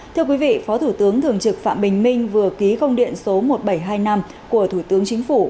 thưa quý vị phó thủ tướng thường trực phạm bình minh vừa ký công điện số một nghìn bảy trăm hai mươi năm của thủ tướng chính phủ